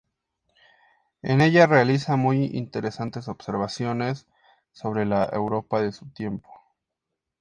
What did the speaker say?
En ella realiza muy interesantes observaciones sobre la Europa de su tiempo.